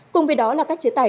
cùng với đó là các chế tài